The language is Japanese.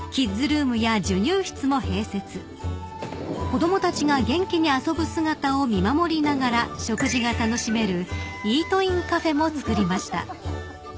［子供たちが元気に遊ぶ姿を見守りながら食事が楽しめるイートインカフェもつくりました］